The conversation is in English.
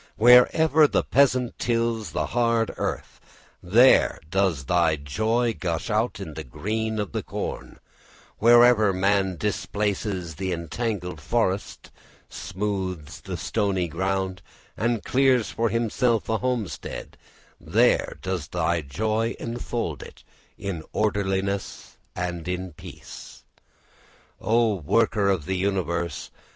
Wherever the peasant tills the hard earth, there does thy joy gush out in the green of the corn, wherever man displaces the entangled forest, smooths the stony ground, and clears for himself a homestead, there does thy joy enfold it in orderliness and peace. O worker of the universe!